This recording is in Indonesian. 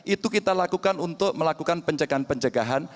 itu kita lakukan untuk melakukan pencegahan pencegahan